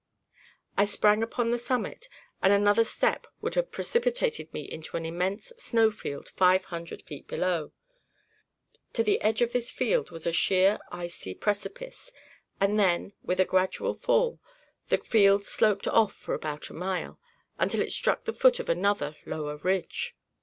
I sprang upon the summit, and another step would have precipitated me into an immense snow field five hundred feet below. To the edge of this field was a sheer icy precipice; and then, with a gradual fall, the field sloped off for about a mile, until it struck the foot of another lower ridge.